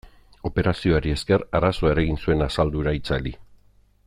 Operazioari esker arazoa eragin zuen asaldura itzali.